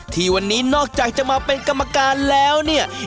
ที่วันนี้นอกจากจะมาเป็นกรรมการแล้วเนี่ย